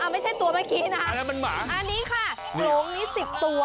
ไม่ใช่ตัวเมื่อกี้นะฮะอันนี้ค่ะโครงนี้๑๐ตัว